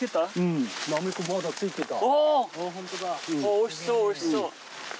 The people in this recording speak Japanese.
おいしそうおいしそう。